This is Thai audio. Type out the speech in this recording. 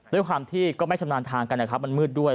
ด้วยความที่ก็ไม่ชำนาญทางกันนะครับมันมืดด้วย